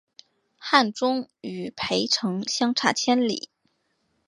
汉中与涪城相差千里。